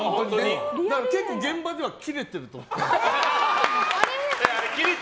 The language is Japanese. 結構現場ではキレてると思います。